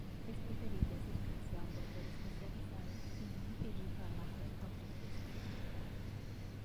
Es preferible acercarse a un doctor especializado y no ingerir fármacos auto prescritos.